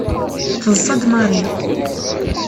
Teḍṣa-d Mary.